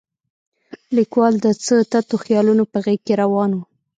لیکوال د څه تتو خیالونه په غېږ کې راون و.